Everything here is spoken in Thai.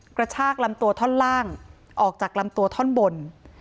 กระชากลำตัวท่อนล่างออกจากลำตัวท่อนบน